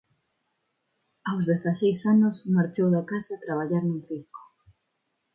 Aos dezaseis anos marchou da casa a traballar nun circo.